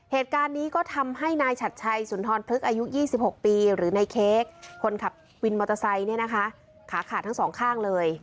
เหตุการณ์นี้ก็ทำให้นายฉัดชัยสุนทรพฤกษ์อายุ๒๖ปีหรือในเค้กคนขับวินมอเตอร์ไซค์เนี่ยนะคะขาขาดทั้งสองข้างเลย